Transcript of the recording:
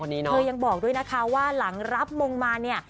เธอยังบอกด้วยนะคะว่าหลังรับมงมาเนี่ย